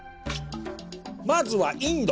まずはインド。